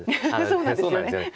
ねえそうなんですよね。